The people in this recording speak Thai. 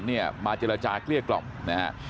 เนี่ยมาจราจาเกลี้ยกล่องนะครับ